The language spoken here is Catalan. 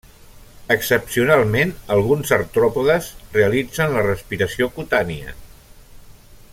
Excepcionalment, alguns artròpodes realitzen la respiració cutània.